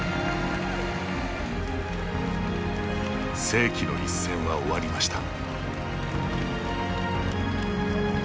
世紀の一戦は終わりました。